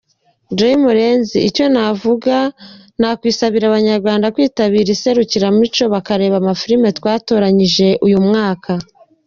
Jolie Murenzi: Icyo navuga nakwisabira Abanyarwanda kwitabira iri serukiramuco bakareba amafilimi twatoranyije uyu mwaka.